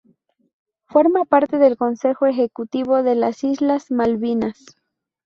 Forma parte del Consejo Ejecutivo de las Islas Malvinas.